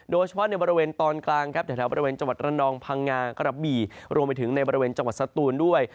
โดยเฉพาะในบริเวณตอนกลางครับแถวบริเวณจังหวัดระนองพังงากระบี่รวมไปถึงในบริเวณจังหวัดสตูนด้วย